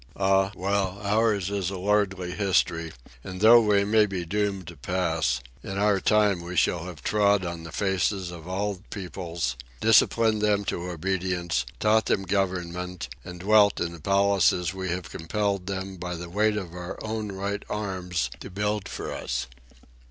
Ah, well, ours is a lordly history, and though we may be doomed to pass, in our time we shall have trod on the faces of all peoples, disciplined them to obedience, taught them government, and dwelt in the palaces we have compelled them by the weight of our own right arms to build for us.